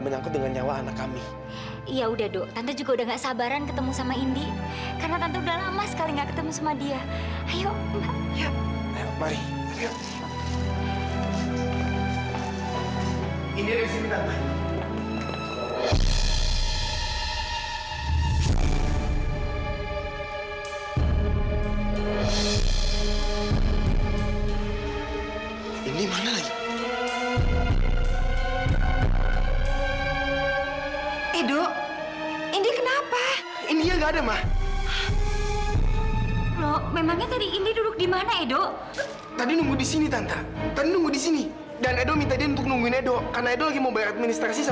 mungkin dengan cara ini kita bisa intropeksi diri sendiri